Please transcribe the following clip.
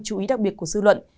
chú ý đặc biệt của dư luận